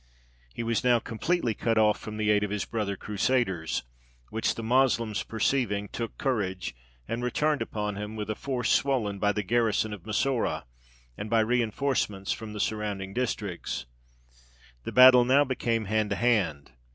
He was now completely cut off from the aid of his brother Crusaders, which the Moslems perceiving, took courage and returned upon him, with a force swollen by the garrison of Massoura, and by reinforcements from the surrounding districts. The battle now became hand to hand.